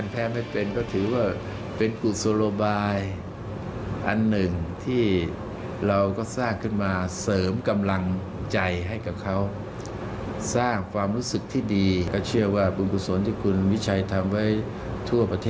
ปิดท้ายที่มาร์คเชอลบี้นะคะ